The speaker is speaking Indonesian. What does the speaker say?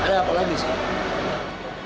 ada apa lagi sih